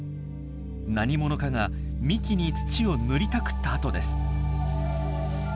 何者かが幹に土を塗りたくった跡です。